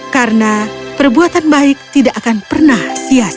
karena perbuatan baik tidak akan pernah sia sia